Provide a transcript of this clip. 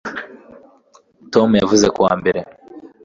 tom yavuye ku wa mbere